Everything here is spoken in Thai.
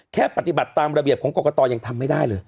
แค่ปฏิบัติตามระเบียบของกรกตยังทำไม่ได้เลย